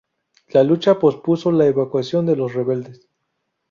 La lucha pospuso la evacuación de los rebeldes.